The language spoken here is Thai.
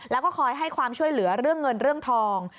แล้วก็คอยให้ความช่วยเหลือเรื่องเงินเรื่องทอง